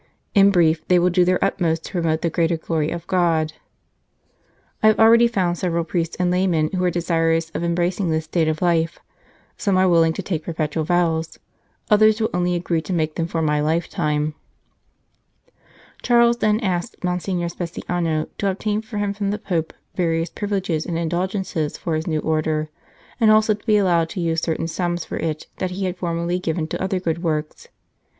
In brief, they will do their utmost to promote the greater glory of God. ..." I have already found several priests and laymen who are desirous of embracing this state of life ; some are willing to take perpetual vows, others will only agree to make them for my lifetime." 168 The Oblates of St. Ambrose Charles then asks Monsignor Speciano to obtain for him from the Pope various privileges and indulgences for his new Order, and also to be allowed to use certain sums for it that he had formerly given to other good works.